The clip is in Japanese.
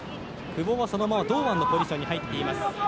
久保は、そのまま堂安のポジションに入っています。